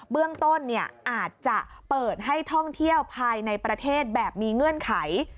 เบื้องต้นอาจจะเปิดให้ท่องเที่ยวภายในประเทศแบบมีเงื่อนไข